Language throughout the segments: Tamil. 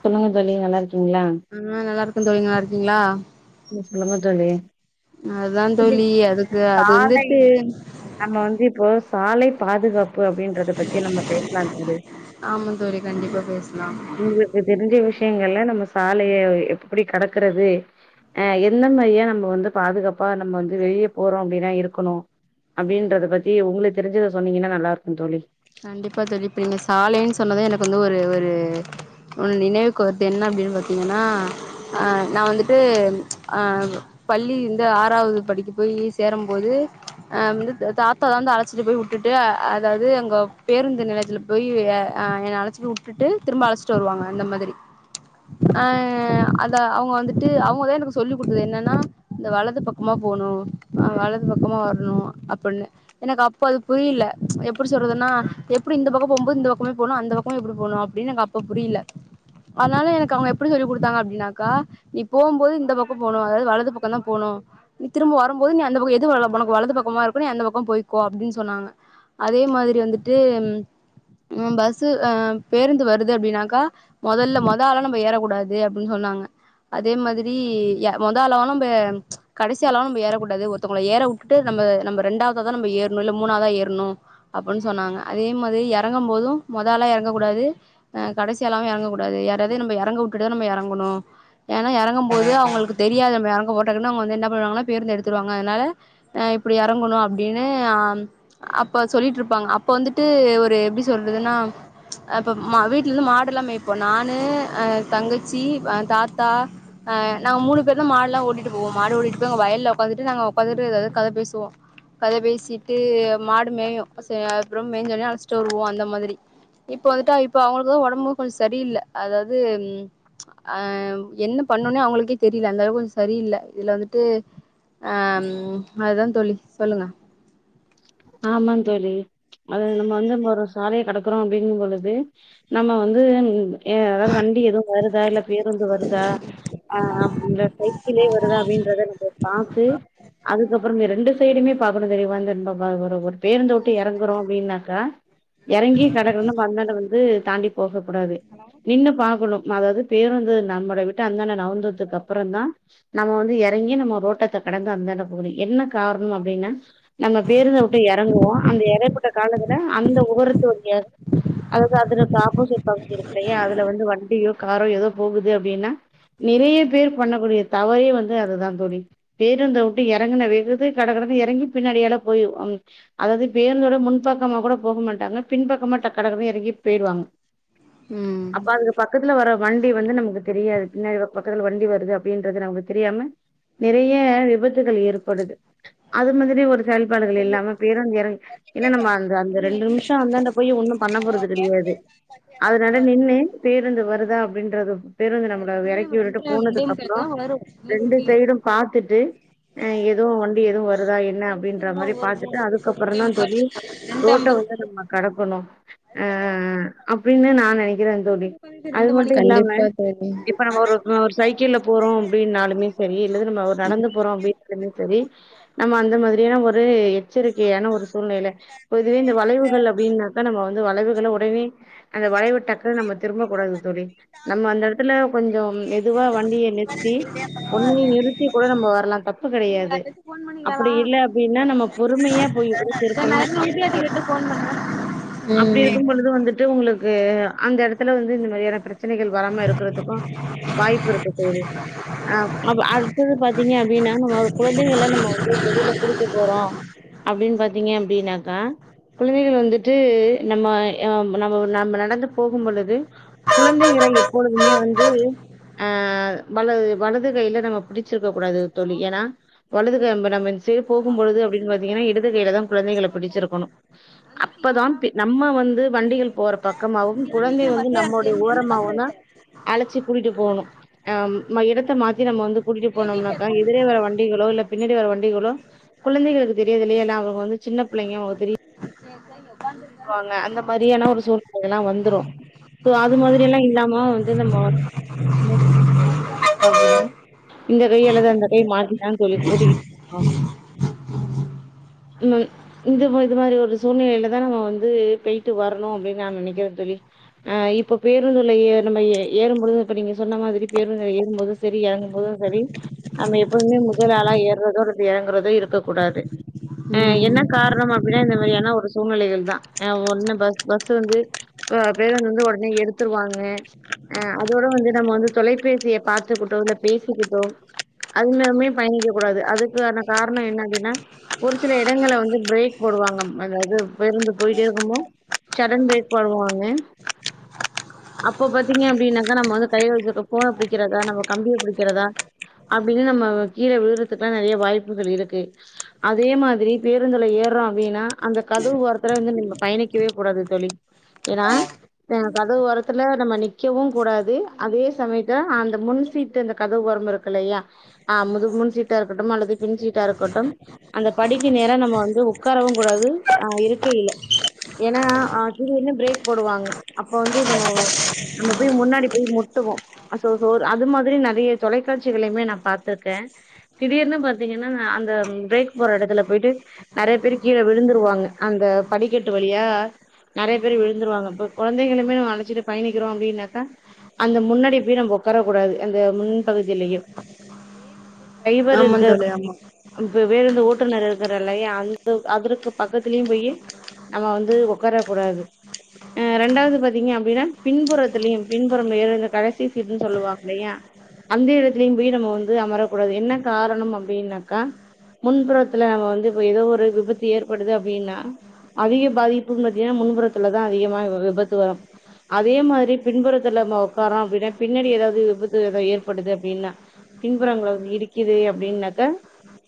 சொல்லுங்க தோழி நல்லாருக்கிங்ளா ஆ நல்லா இருக்கே தோழி நல்லாருக்கிங்ளா ம் சொல்லுங்க தோழி அதுதா தோழி அதுக்கு அது சாலை வந்துட்டு நம்ம வந்து இப்போ சாலை பாதுகாப் பு அப்டின்றத பத்தி நம்ம பேசலா தோழி ஆமா தோழி கண்டிப்பா பேசலா உங்குளுக்கு தெரிஞ்ச விஷயங்கள நம்ம சாலைய எப்படி கடக்குறது ஆ எந்த மாதிரியா நம்ம வந்து பாதுகாப் ப்ப நம்ம வந்து வெளிய போறோ அப்டின்னா இரு கணும் அப்டின்றத பத்தி உங்களுக்கு தெரிஞ்சத சொன்னீங்கன்னா நல்லா இருக்கூ தோழி கண்டிப்பா தோழி நீங்க சாலைன்னு சொன்னத எனக்கு வந்து ஒரு ஒரு நெனைவுக்கு என்ன அப்படின்னு பாத்தீங்கன்னா அஹ நான் வந்துட்டு அ பள்ளி இருந்து ஆறாவது படிக்கு போய் சேரும் போது அ வந்து தாத்தா தான் வந்து அழைச்சிட்டு போய் விட்டுட்டு அதாவது அங்க பேருந்து நிலையத்துல போய் அஹ் என் அழைச்சு போய் விட்டுட்டு திரும்ப அழைச்சிட்டு வருவாங்க அந்த மாதிரி அ அத அவங்க வந்துட்டு அவங்கதான் எனக்கு சொல்லி கொடுத்தது என்னன்னா அ வலது பக்கமா போகணும் அஹ் வலது பக்கமா வரணும் அப்படின்னு எனக்கு அப்ப அது புரில எப்படி சொல்றதுன்னா எப்டி இந்த பக்கம் போகும்போது இந்த பக்கமே போணும் அந்த பக்கமே எப்படி போகணும் அப்படின்னு எனக்கு அப்ப புரில அதனால எனக்கு அவங்க எப்படி சொல்லி கொடுத்தாங்க அப்படின்னாக்கா நீ போகும்போது இந்த பக்கம் போனும் அதாவது வலது பக்கம் தான் போனும் நீ திரும்ப வரும்போது நீ அந்த பக்கம் எதுன வலது பக்கமா இருக்கும் நீ அந்த பக்கம் போய்கோ அப்படின்னு சொன்னாங்க அதே மாதிரி வந்துட்டு ட்டுஹ பஸ் அஹ் பேருந்து வருது அப்படின்னாக்கா முதல்ல மொத ஆளா நம்ம ஏறக்கூடாது அப்படின்னு சொன்னாங்க அதே மாதிரி மொதலாலாம் நம் கடைசியால நம்ப ஏறக்கூடது தவங்கள ஏற உட்டுட்டு நம்ம நம்ம ரெண்டாவது தான் நம்ம ஏறணும் இல்ல மூணாவதான் ஏறணும் அப்படின்னு சொன்னாங்க அதே மாதிரி இறங்கும் போதும்முதல்லாம் இறங்கக்கூடாது கடைசாலும் இறங்கக்கூடாது யார ந இறங்க விட்டுத நம இறங்கணும் ஏன்னா இறங்கும் போோது அவங்களுக்கு தெரியா ந இறங்கட்ட என்ன பண்ணுவாா பேருந்து எடுத்துவாங்க அதனால இப்படி இறங்கணும் அப்படின்னு அப்ப சொல்லிட்டு இருப்பாங்க இப்ப வந்துட்டு ஒரு எப்டி சொல்றதுன்னா அப்ப வீட்ல இருந்து மாடெல்லா மேய் இப்ப நானு அஹ என் தங்கச்சி சி தாத்தா அ நாங்க மூணு பேருதான் மாடெலாம் ஓட்டிகிட்டு போவோம் மாடு ஓட்டிகிட்டு போய் அங்க வயலில் உக்காந்துட்டு நாங்கள் உக்காந்துட்டு எதாவது கதை பேசுவோம் கதை பேசியிட்டு மாடு மேயும் அப்புறம் மேஞ்சவுடனே அழைச்சிட்டு வருவோம் அந்த மாதிரி இப்ப வந்துட்டு இப்ப அவங்களுக்கு உடம்பு கொஞ்சம் சரியில்லை அதாவது அஹ் என்ன பண்ணும்னே அவங்களுக்கே தெரியல அந்தளவு சரியில்லை இதுல வந்துட்டு அஹ ம் அதுதான் தோழி சொல்லுங்க ஆமாந்தோழி [unintelligible] சாலையை கடக்கறோம் அப்படிங்கற பொழுது நம்ம வந்து ஏ அதாவது வண்டி எதுவும் வருதா இல்ல பேருந்து வருதா ஆஹ் அப்பத சைக்கிளே வருதா அப்படின்றத நம்ம பார்த்து அதுக்கப்புறம் ரெண்டு சைடுமே [unintelligible] ஒவ்வொரு ஒரு பேருந்து விட்டு இறங்குறோம் அப்படின்னாக்கா இறங்கி கடகடன்னு மண்ணன்ட வந்து தாண்டி போக கூடாது நின்னு பார்க்கணும் அதாவது பேருந்து நம்மல விட்டு அந்தாண்ட நவு வந்ததுக்கு அப்புறம் தான் நம்ம வந்து இறங்கி நம்ம ரோட்டத்தை கடந்து அந்தாண்ட போகணும் என்ன காரணம் அப்படின்னா நம்ம விட்டு இறங்குவோம் அந்த இடைப்பட்ட காலத்துல அந்த ஓரத்துல வங்கிய அதாவது அல ஆப்போசிட் பாக்கயங்க அதுலயும் வந்து வண்டியும் காரோ ஏதோ போகுது அப்படின்னா நிறைய பேர் பண்ணக்கூடியது தவறே வந்து அதுதான் தோழி பேருந்த விட்டு இறங்கினவேகதுல கடகடன்னு இறங்கி பின்னாடியால போய் ஆம் அதாவது பேருந்தோட முன்பாக்கமா கூட போக மாட்டாங்க பின்பாக்கமா கட கடகடனு எறங்கி போய்டுவாங்க ம் அப்ப அதுங்க பக்கத்துல வர வண்டி வந்து நமக்கு தெரியாது பின்னா பக்கத்துல வண்டி வருது அப்படின்றது நமக்கு தெரியாம நெறைய விபத்துகள் ஏற்படுது அது மாதிரி ஒரு செயல்பாடுகள் இல்லாம பேருந்து எறங் ஏன்ன நம்ம அந்த அந்த ரெண்டு நிமிஷ அந்தாண்ட போய் ஒன்னும் பண்ண போறது கெடையாது அதனால நின்னு பேருந்து வருதா அப்படின்றது பேருந்து நம்மள எறக்கி விட்டுட்டு போனதுக்கப்பறோம் ரெண்டு சைடும் பாத்துட்டு அ எதுவு வண்டி எதுவு வருதா என்ன அப்டின் மாரி பாத்துட்டு அதுக்கப்பறம் தா தோழி ரோட்ட வந்து நம்ம கடக்கணும் ஆ ஆ அப்பின்னு நா நெனை அது மட்டும் இல்லாம கண்டிப்பா தோழி இப்ப நம்ம ஒரு சைக்கிள்ல போறோம் அப்படின்னாலுமே சரி இல்ல நம்ம நடந்து போறோம் அப்படின்னாலுமே சரி நம்ம அந்த மாதிரியான ஒரு எச்சரிக்கையான ஒரு சூழ்நில இப்ப இதுவே இந்த வளைவுகள் அப்டின்னா நம்ம வந்து வளைவுகள அந்த வளைவ டக்கன்னு நம்ம திரும்ப கூடாது தோழி நம்ம அந்த எடத்துல கொஞ்சம் மெதுவா வண்டிய நிறுத்தி ஒண்ணு நிறுத்தி கூட நம்ம வர்லாம் தப்பு தப்பு கெடையாது ஃபோன் பண்ணி கேளா அப்படி இல்லே நம்ம பொறுமயா போய் சரி நா திருப்பலா ஏற்கனவே வித்யார்த்தி அப்பயே கிட்ட ஃபோன் பண்ணே அப்டி ம் இருக்கும் பொழுது வந்துட்டு உங் உங்ளுக்கு அந்த எடத்துல வந்து இந்த மாரியான பிரச்சனைகள் வராம இருக்கிறதுக்கு வாய்ப்பிருக்கு தோழி அடுத்தது பாத்தீங்க அப்டின்னா நமோ கொழந்தைகள நம்ம வந்து வெளில போறோ அப்டின் பாத்தீங்க அப்டின்னாக்கா குழந்தைகள் வந்துட்டு நம்ம நம்ம நம்ம நடந்து போகும் பொழுது குழந்தைகள எப்பொழுதுமே வந்து அ வலது வலது கைல நம்ம பிடிச்சிருக்க கூடாது தொழி ஏன்னா வலது கை ந நம்ம சரி போகும்பொழுது அப்டின்னு பாத்தீங்கன்னா இடது கையில தா குழந்தைகள பிடிச்சிருக்கணு வந்துட்டியா அப்பதா நம்ம வந்து வண்டிகள் போற பக்கமாவு இங்கதா குழந்தை நிக்கிறே வந்து பஸ்ல எறங்குறே நம்முடைய எந் எந்த பஸ்ல ஓரமாவுதா இருக்க அழைச்சி கூட்டிட்டு போகணு அம் இடத்த மாத்தி நம்ம வந்து கூட்டிட்டு ஐ பி பி போனோம்னாக்கா எதிரே வர வண்டிகளோ இல்ல பின்னாடி வர வண்டிகளோ குழந்தைகளுக்கு தெரியாதில்லயா எல்ல அவங்க வந்து சின்ன பிள்ளைங்க அவங்க தெரிய ஓடிடுவாங்க அந்த மாதிரியான ஒரு சூழ்நிலை எல்லா வந்துரு சோ அது மாதிரி எல்லா இல்லாம வந்து நம்ம இந்த கை அல்லது அந்த கை மாட்டி ஏதோழி கூட்டிகிட் அ இந்த இது மாரி ஒரு சூழ்நிலையிலதா நம்ம வந்து பொயிட்டு வரணு அப்டின்னு நா நனைக்கிற தோழி அ இப்போ பேருந்துல ஏர்னமாறி ஏறும்போழுது இப்ப நீங்க சொன்ன மாரி பேருந்துல ஏறும்போதும் சரி எறங்கும்போது சரி நம்ம எப்போவுமே முதல் ஆளா ஏற்றதோ அல்லது எறங்குறதோ இருக்கக்கூடாது ஏ என்ன ம் காரண அப்டின்னா இந்த மாரியான ஒரு சூழ்நிலைகள் தா பஸ் வந்து பேருந்து வந்து உடனே எடுத்துருவாங்க ஆ அதோட வந்து நம்ம வந்து தொலைபேசிய பாத்துக்கிட்டோ இல்ல பேசிக்கிட்டோ அதுமேம்யே பயணிக்கக்க கூடாது அதுக்கான கார்ண என்ன அப்டின்னா ஒரு சில எடங்கல வந்து பிரேக் போடுவாங்க அதாவ்து பேருந்து போயிட்டே இருக்கும்பொ ஷடன் பிரேக் போடுவாங்க அப்ப பாத்தீங்க அப்டின்னாக்கா நம்ம வந்து கைல வச்சிருகிற போன புடிக்கிறதா நம்ம கம்பிய பிடிக்கிறதா அப்டின்னு நம்ம கீழே விழுறதுக்குல்ல நறைய வாய்ப்பு இருக்கு அதே மாதுரி பேருந்துல ஏற்றோ அப்டின்னா அந்த கதவு ஓரத்துல நின்னு பயணிக்கவே கூடாது தோழி ஏன்னா கதவு ஓரத்துல நம்ம நிக்கவு கூடாது அதே சமயத்ல அந்த முன்சீட்டு அந்த கதவு ஓரம் இருக்கில்லையா அ முது முன்சீத்தா இருக்கட்டும் அல்லது பின்சீட்டா இருக்கட்டு அந்த படிக்கு நேர நம்ம வந்து உட்காரவு கூடாது அ இருக்கயில ஏன்னா திடீர்னு பிரேக் போடுவாங் அப்ப வந்து நம்ம நம்ம போய் முன்னாடி போய் முட்டுவோ அது மாதுரி நறைய தொலைக்காட்சிகளமே நா பாத்திருக்கே திடீர்னு பத் பாத்தீங்கன்னா அந்த ப்ரேக் போற இடத்துல போயிட்டு நறைய பேர் கீழே விழுந்துருவாங்க அந்த படிக்கட்டு வழியா நெறைய பேர் விழுந்துருவாங்க இப்ப கொழந்தைகலுமே நம்ம அழைச்சிட்டு பயணிக்கிறோம் அப்படின்னாக்கா அந்த முன்னாடி போய் நம்ம உக்காரக் கூடாது அந்த முன்பகுதியிலயும் அதே மாதுரி ரைவர் ஆமா இருக்க தோழி ஆமா வேற இந்த ஓட்டுநர் இருக்குறால்லயா அந்த அதுற்கு பக்கத்துலியு போயி நம்ம வந்து உக்கர கூடாது அ ரெண்டாவ்து பாத்தீங்க அப்டின்னா பின்புறத்தலயும பின்புற வேற எந்த கடைசி சீடுன்னு சொல்லுவாங்க ல்லையா அந்த எடத்துலயு போய் நம்ம வந்து அமரக்கூடாது என்ன காரணம் அப் பினாக்கா முன்புறத்துல நம்ம வந்து இப்ப ஏதோ ஒரு விபத்து ஏற்படுது அப்டின்னா அதிக பாதிப்புன்னு பத்தின்னா முன்புறத்துலதா அதிகமா விபத்து வரு அதே மாதுரி பின்புறத்துல நம்ம உட்காரோ அப்டின்னா பின்னாடி எதாவ்து விபத்து ஏதா ஏற்படுது அப்டின்னா பின்புறங்கள வந்து இடிக்குது அப்டின்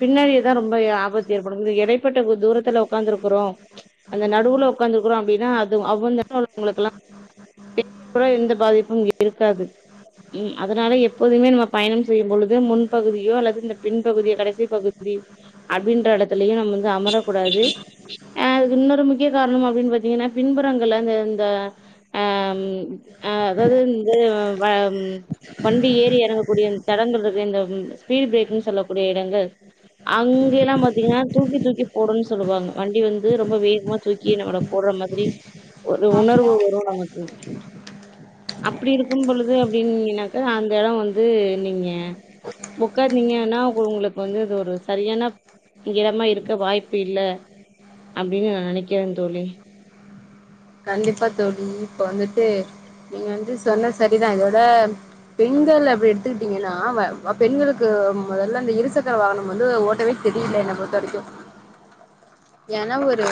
பின்னாடியே தா ரொம்ப ஆபத்து ஏற்படு எடைப்பட்ட தூரத்துல உக்காந்துருக்குறோ அந்த நடுவுல உக்காந்துருக்கறோ அப்டின்னா அதும் [inaudible] பெரிய எந்த பாதிப்பும் இருக்காது உ அதனால எப்போதுமே நம்ம பயணம் செய்யு பொழுது முன்பகுதியோ அல்லது இந்த பின்பகுதி கடைசி பகுதி அப்டின்ற எடத்துலயும் நம்ம வந்து அமரக்கூடாது அஹ் அது இன்னொரு முக்கிய காரணம அப்படின்னு பாத்தீங்கன்னா பின்புறங்கள் அந்த இந்த அ அதாவ்து இந்த வண்டி ஏறங்கக்கூடிய தடங்கள் இருக்கு இந்த ஸ்பீட் ப்ரேக் சொல்லக்கூடிய இடங்கள் அங்க எல்லா பாத்தீங்கன்னா தூக்கி தூக்கி போடுனு சொல்லுவாங்க வண்டி வந்து ரொம்ப வேகமா தூக்கி நம்மள போடுற மாதிரி ஒரு உணர்வு வரு நமக்கு அப்படி இருக்கும் பொழுது அப்பிடினாக்க அந்த எடம் வந்து நீங்க உக்காந்தீங்க ஆனா உங்களுக்கு வந்து இது ஒரு சரியான இடமா இருக்க வாய்ப்பு இல்ல அப்டின்னு நா நெனக்கிறே தோழி கண்டிப்பா தோழி இப்ப வந்துட்டு நீங்க வந்து சொன்ன சரிதான் இதோட பெண்கள் அப்டி எடுத்துக்கிட்டீங்கன்னா பெண்களுக்கு முதல்ல அந்த இருசக்கர வாகனம் வந்து ஓட்டவே தெரியல என்னை பொறுத்த வரைக்கும் ஏன்னா ஒரு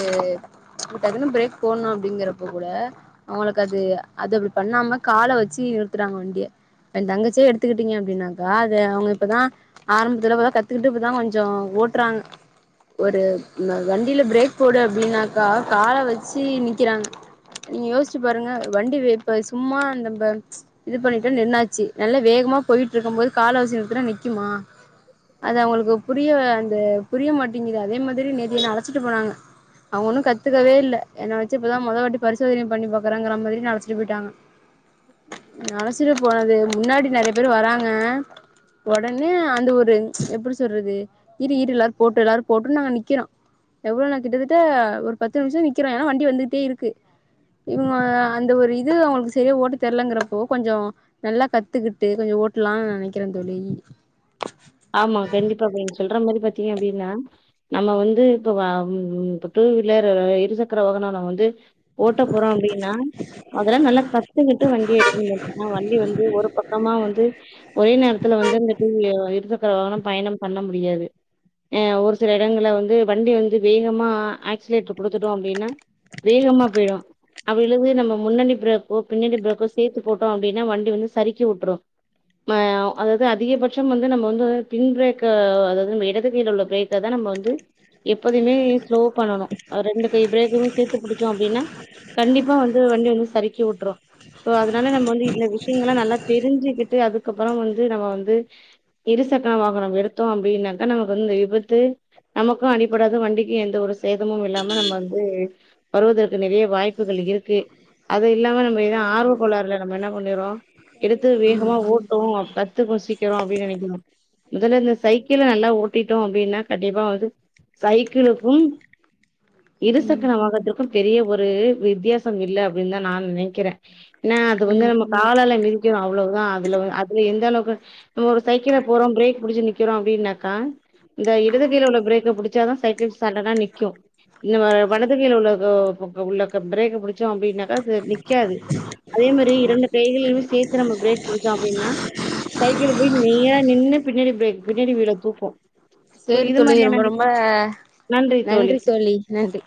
டக்குனு பிரேக் போடணும் அப்படிங்கறப்ப கூட அவங்களுக்கு அது அது அப்படி பண்ணாம கால வச்சு நிறுத்துறாங்க வண்டிய என் தங்கச்சிய எடுத்துக்கிட்டீங்க அப்படின்னாக்கா அத அவங்க இப்பதான் ஆரம்பத்துல கத்துக்கிட்டு இப்பதான் கொஞ்சம் ஓட்டுறாங்க ஒரு வண்டியில பிரேக் போடு அப்படின்னாக்கா கால வச்சு நிக் கல்குரா நீங்க யோசிச்சு பாருங்க வண்டி இப்ப சும்மா இது பண்ணிடன் நின்னாச்சு நல்லா வேகமா போயிட்டு இருக்கும் போது கால வச்சி நிறுத்துனா நிக்குமா அது அவங்களுக்கு புரிய அந்த புரிய மாட்டேங்குது அதே மாதிரி நேத்து என்னெ அழச்சிட்டு போனாங்க அவங்க ஒன்னும் கத்துக்கவே இல்ல என்னவச் தான் முத வாட்டி பரிசோதனை பண்ணி பாக்கறங்கற மாதிரி என்னெ அழச்சிட்டு போயிட்டாங்க அழச்சிட்டு போனது முன்னாடி நிறைய பேர் வராங்க உடனே அந்த ஒரு எப்படி சொல்றது இரு எல்லாரும் போட்டு எல்லாரும் போட்டு நாங்க நிக்கிறோம் எவ்ளோநேர கிட்டத்தட்ட ஒரு பத்து நிமிஷம் நிக்கிறோ ஏன்னா வண்டி வந்து இருக்கு இவங்க அந்த ஒரு இது அவங்களுக்கு சரியா ஓட்டு தெரலங்கிறப்போ கொஞ்சம் நல்லா கத்துக்கிட்டு கொஞ்சம் ஓட்டலாம்னு நா நினைக்கிறேன் தோழி ஆமா கண்டிப்பாங்க சொல்ற மாதிரி பாத்தீங்க அப்டின்னா நம்ம வந்து இப்ப வ டூவீலர் இருசக்கர வாகனெலாம் வந்து ஓட்ட போறோம் அப்டின்னா அதெல்லாம் நல்லா கத்துக்கிட்டு வண்டிய எடுக்கண சும்மா வண்டி வந்து ஒரு பக்கமா வந்து ஒரே நேரத்துல வந்து இரு பயணம் பண்ண முடியாது அ ஒரு சில இடங்கள்ல வந்து வண்டி வந்து வேகமா ஆக்சிலேட்டர் குடுத்துட்டோ அப்டின்னா வேகமா போயிடும் அப்படிது நம்ம முன்ன பிறேக்கோ பின்னணி பிறேக்கோ சேர்த்து போட்டோம் அப்படினா வண்டி வந்து சரிக்கி விட்டு அதாவது அ அதிகபட்சம் வந்து நம்ம வ பின் பிரேக்க அதாவது நம் இடது கைல உள்ள பிரேக்க தான் நம்ம வந்து எப்போதுமே ஸ்லோ பண்ணணும் ரெண்டு கை ப்ரேக்யும் சேர்த்து பிடிச்சோம் அப்டின்னா கண்டிப்பா வந்து வண்டி வந்து சரிக்கி விட்டுரும் சோ அதனால நம்ம வந்து இந்த விஷயங்கள நல்லா தெரிஞ்சுிக்கிட்டு அதுக்கப்புறம் வந்து து நம்ம வந்து இருசக்கர வாகனம் நம்ம எடுத்தோ அப்படின்னாக்கா நமக்கு வந்து இந்த விபத்து நமக்கும் அடிப்படாது வண்டிக்கு எந்த ஒரு சேதமும் இல்லாம நம்ம வந்து வருவதற்கு நிறைய வாய்ப்புகள் இருக்கு அது இல்லாம நம்ம ஏத ஆர்வக்கோளாறுல நம்ம என்ன பண்ணிறோம் எடுத்து வேகமா ஓட்றோம் கத்துக்கனு சீக்கிறோம் அப்டின்னு நினைக்கிற முதல்ல இந்த சைக்கிளை நல்லா ஓட்டிட்டோம் அப்படின்னா கண்டிப்பா வந்து சைக்கிளுக்கும் இருசக்கனவாகனத்துக்கும் பெரிய ஒரு வித்தியாசம் இல்ல அப்டின்னுதான் நா நினைக்கிறேன் என அது வந்து ம் நம்ம காலால மிதிக்குரோம் அவ்வளவுதான் அதுல அதுல எந்த அளவு ஒரு கிழ போறோம் பிரேக் புடிச்சு நிக்கிறோ அப்டின்னக்கா இந்த இடது கைல உள்ள பிரேக் புடிச்சாதான் சைக்க ள் சட்டனா நிக்கு இந்த வடது கைல உள்ளக பிரேக் புடிச்சோ அப்படின்னாக்கா அது நிக்காது அதே மாதிரி இரண்டு கைகளிலய சேர்த்து நம்ம பிரேக் படிச்சோம் அப்படின்னா சைக்கிள் போய் நேரா நின்னு பின்னாடி ப்ரேக் பின்னாடி வீட தூகும் சேரி தோழி ரொம்ப ரொம்ப நன்றி தோழி நன்றி